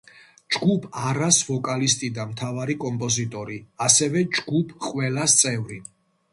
ჯგუფ „არას“ ვოკალისტი და მთავარი კომპოზიტორი; ასევე, ჯგუფ „ყველას“ წევრი.